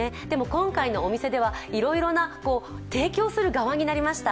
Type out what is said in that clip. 今回のお店ではいろいろな提供をする側になりました。